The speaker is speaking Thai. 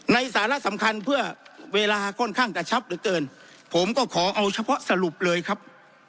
สาระสำคัญเพื่อเวลาค่อนข้างกระชับเหลือเกินผมก็ขอเอาเฉพาะสรุปเลยครับ